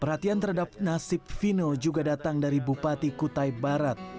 perhatian terhadap nasib fino juga datang dari bupati kutai barat